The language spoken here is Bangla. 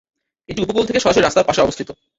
এটি উপকূল থেকে সরাসরি রাস্তার পাশে অবস্থিত।